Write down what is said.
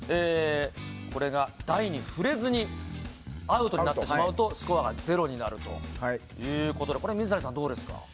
これが、台に触れずにアウトになってしまうとスコアがゼロになるということでこれは水谷さん、どうですか。